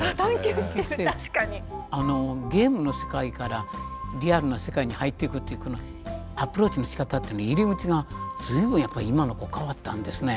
あのゲームの世界からリアルな世界に入ってくっていうこのアプローチのしかたっていうの入り口が随分やっぱり今の子変わったんですね。